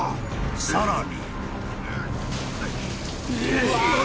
［さらに］